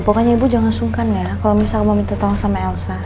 pokoknya bu jangan sungkan ya kalau misalnya mau minta tanggung sama elsa